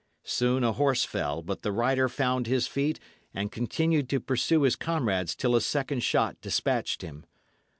Soon a horse fell, but the rider found his feet and continued to pursue his comrades till a second shot despatched him.